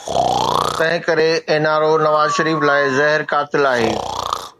تنهن ڪري N R O Nawaz Sharif لاءِ زهر قاتل آهي.